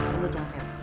kamu jangan rewel